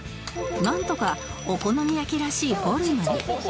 なんとかお好み焼きらしいフォルムに